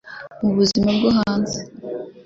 mu buzima bwo hanze.